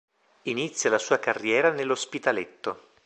Inizia la sua carriera nell'Ospitaletto.